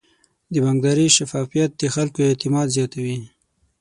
د بانکداري شفافیت د خلکو اعتماد زیاتوي.